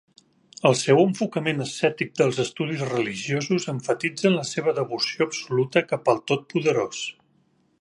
El seu enfocament ascètic del estudis religiosos emfatitzen la seva devoció absoluta cap al totpoderós.